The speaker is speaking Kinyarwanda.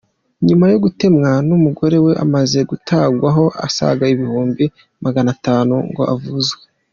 Nyuma yo gutemwa n’umugore we amaze gutangwaho asaga ibihumbi magana atanu ngo avuzwe